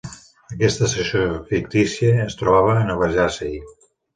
Aquesta estació fictícia es trobava a Nova Jersey.